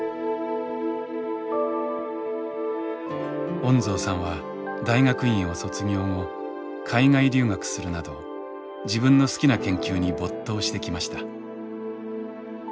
恩蔵さんは大学院を卒業後海外留学するなど自分の好きな研究に没頭してきました。